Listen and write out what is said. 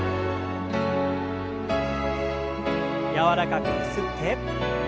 柔らかくゆすって。